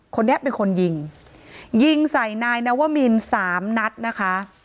คนนี้เป็นคนยิงยิงใส่นายนวมินสามนัดนะคะ